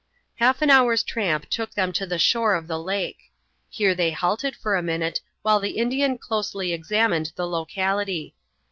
Half an hour's tramp took them to the shore of the lake. Here they halted for a minute while the Indian closely examined the locality.